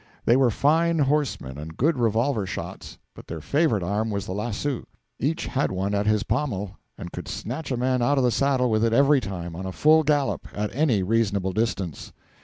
They were fine horsemen and good revolver shots; but their favourite arm was the lasso. Each had one at his pommel, and could snatch a man out of the saddle with it every time, on a full gallop, at any reasonable distance.